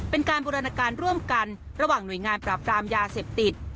เป็นการบูรณาการร่วมกันระหว่างหน่วยงานปราบปรามยาเสพติด